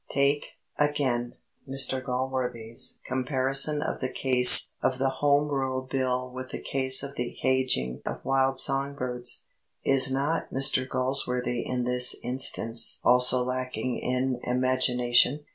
Take, again, Mr Galsworthy's comparison of the case of the Home Rule Bill with the case of the caging of wild song birds. Is not Mr Galsworthy in this instance also lacking in imagination?